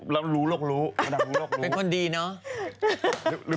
เราเป็นคนดีเนอะ